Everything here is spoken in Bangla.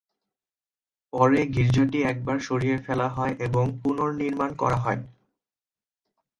পরে গির্জাটি একবার সরিয়ে ফেলা হয় এবং পুনর্নির্মাণ করা হয়।